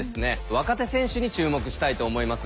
若手選手に注目したいと思います。